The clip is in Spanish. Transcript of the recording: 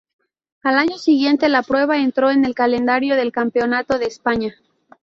Al año siguiente la prueba entró en el calendario del Campeonato de España.